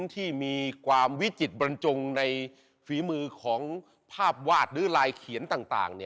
ที่มีความวิจิตบรรจงในฝีมือของภาพวาดหรือลายเขียนต่าง